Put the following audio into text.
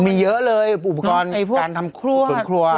มีเยอะเลยอุปกรณ์การทำภวนครัว